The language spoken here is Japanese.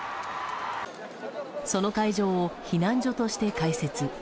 その会場を避難所として開設。